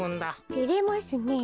てれますねえ。